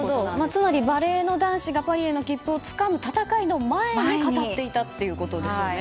つまりバレーの男子がパリへの切符をつかむ戦いの前に語っていたということですよね。